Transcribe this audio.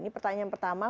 ini pertanyaan pertama